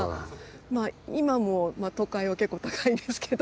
まあ今も都会は結構高いですけど。